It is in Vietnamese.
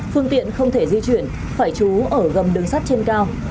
phương tiện không thể di chuyển phải trú ở gầm đường sắt trên cao